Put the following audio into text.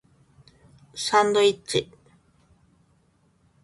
サンドイッチ